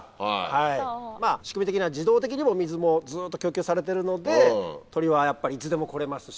仕組み的には自動的にも水もずっと供給されてるので鳥はいつでも来れますし。